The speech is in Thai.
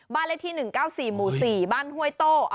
เลขที่๑๙๔หมู่๔บ้านห้วยโต้